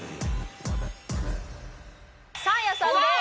サーヤさんです。